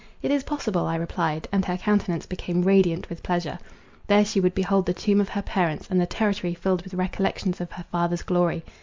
"It is possible," I replied; and her countenance became radiant with pleasure. There she would behold the tomb of her parents, and the territory filled with recollections of her father's glory.